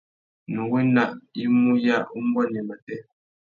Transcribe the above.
Nnú wena i mú ya umbuênê matê.